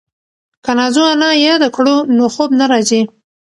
که نازو انا یاده کړو نو خوب نه راځي.